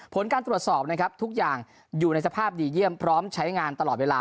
ผลการตรวจสอบนะครับทุกอย่างอยู่ในสภาพดีเยี่ยมพร้อมใช้งานตลอดเวลา